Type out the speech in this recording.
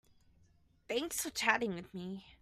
Thanks for chatting with me.